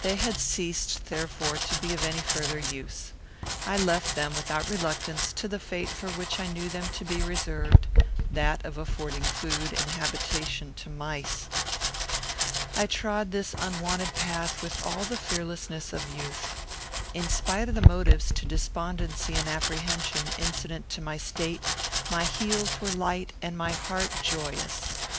They had ceased, therefore, to be of any further use. I left them, without reluctance, to the fate for which I knew them to be reserved, that of affording food and habitation to mice. I trod this unwonted path with all the fearlessness of youth. In spite of the motives to despondency and apprehension incident to my state, my heels were light and my heart joyous.